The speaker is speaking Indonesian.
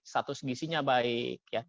status gisinya baik